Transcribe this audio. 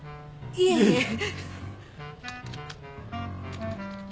いえいえ。